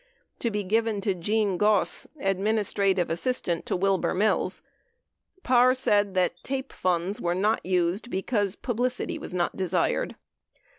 to be given to Gene Goss, adminis trative assistant to Wilbur Mills. Parr said that. TAPE funds were not used because publicity was not desired.